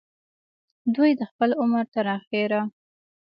دوي د خپل عمر تر اخره